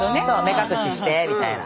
目隠ししてみたいな。